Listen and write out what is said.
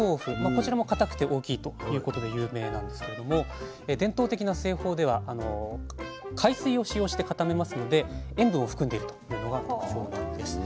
こちらも固くて大きいということで有名なんですけれども伝統的な製法では海水を使用して固めますので塩分を含んでるというのが特徴なんです。